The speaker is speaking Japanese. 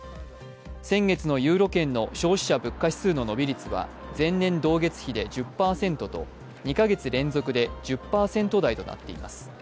先月のユーロ圏の消費者物価指数の伸び率は前年同月比で１０％と２か月連続で１０％台となっています。